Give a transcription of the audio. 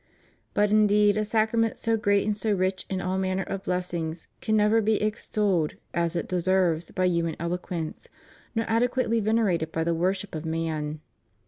But indeed a Sacrament so great and so rich in all manner of blessings can never be extolled as it deserves by human eloquence, nor adequately venerated by the worship of man.